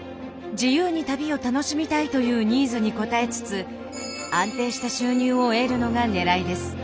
自由に旅を楽しみたいというニーズに応えつつ安定した収入を得るのがねらいです。